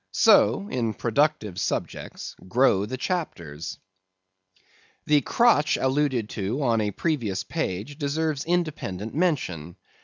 So, in productive subjects, grow the chapters. The crotch alluded to on a previous page deserves independent mention.